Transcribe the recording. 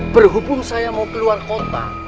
berhubung saya mau keluar kota